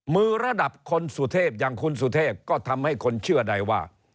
มือระดับคนสุเทพอย่างคุณสุเทพก็ทำให้คนเชื่อได้ว่า